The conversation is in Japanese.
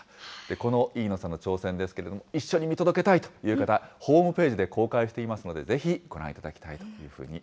この飯野さんの挑戦ですけれども、一緒に見届けたいという方、ホームページで公開していますので、ぜひご覧いただきたいというふう